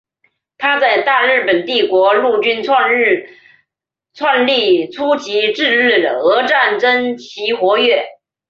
他在大日本帝国陆军创立初期至日俄战争期间活跃。